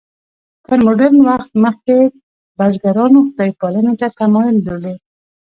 تر مډرن وخت مخکې بزګرانو خدای پالنې ته تمایل درلود.